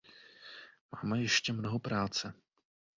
Máme ještě mnoho práce.